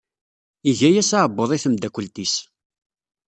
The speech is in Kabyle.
Iga-yas aɛebbuḍ i temdakelt-is.